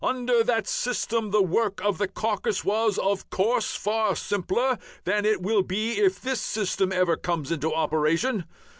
Under that system the work of the caucus was, of course, far simpler than it will be if this system ever comes into operation.